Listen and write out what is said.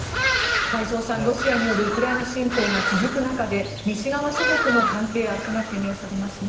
太蔵さん、ロシアによるウクライナ侵攻が続く中で西側諸国の関係悪化が懸念されますね。